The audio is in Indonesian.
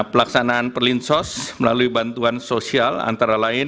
pelaksanaan perlinsos melalui bantuan sosial antara lain